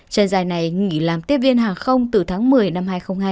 chơi dài này nghỉ làm tiếp viên hàng không từ tháng một mươi năm hai nghìn hai mươi hai